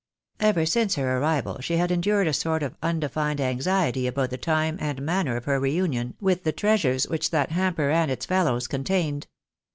Ever since her arrival she had endured a sort of undefined anxiety about the time and manner of her reunion with the treasures which that hamper and its fellows contained.